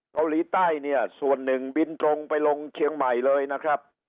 เกาหลีใต้เนี่ยส่วนหนึ่งบินตรงไปลงเชียงใหม่เลยนะครับ